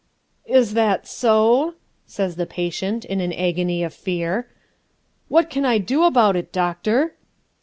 "Is that so?" says the patient, in an agony of fear. "What can I do about it, doctor?"